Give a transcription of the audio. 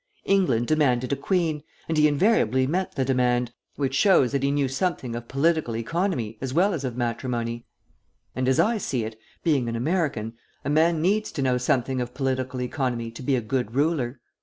England demanded a queen, and he invariably met the demand, which shows that he knew something of political economy as well as of matrimony; and as I see it, being an American, a man needs to know something of political economy to be a good ruler.